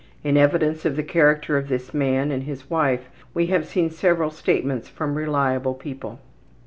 In evidence of the character of this man and his wife we have seen several statements from reliable people.